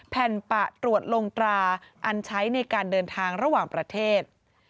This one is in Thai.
แผ่นปะตรวจลงตราอันใช้ในการเดินทางระหว่างประเทศ